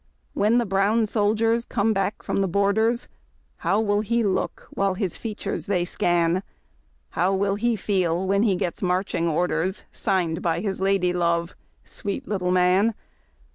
When the brown soldiers come back from the borders. How will he look while his features they scan? How will he feel when he gets marching orders. Signed by his lady love ? sweet little man.